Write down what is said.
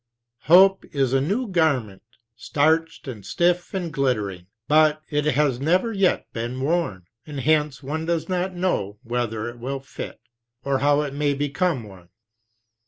"Hope is a new garment, starched and stiff and glittering; but it has never yet been worn, and hence one does not know whether it will fit, or how it may become one.